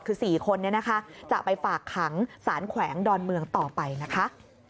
คือ๔คนนี้นะคะจะไปฝากขังสารแขวงดอนเมืองต่อไปนะคะ